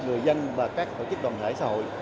người dân và các tổ chức đoàn thể xã hội